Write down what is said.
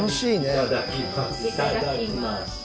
いただきます。